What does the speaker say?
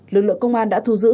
lực lượng công an đã thu giữ